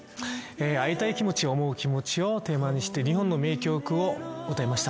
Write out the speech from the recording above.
会いたい気持ちを思う気持ちをテーマにして日本の名曲を歌いました。